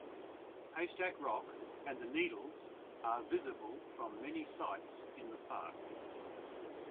Haystack Rock and the Needles are visible from many sites in the park.